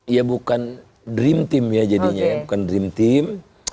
ya bukan dream team ya jadinya ya bukan dream team